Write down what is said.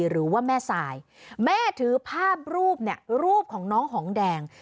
หรือว่าแม่สายแม่ถือภาพรูปเนี่ยรูปของน้องหองแดง